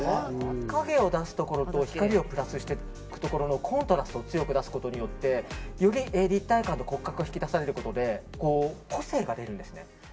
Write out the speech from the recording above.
影を出すところと光をプラスするところのコントラスを強く出すことでより立体感と骨格が引き出されて個性が出るんです。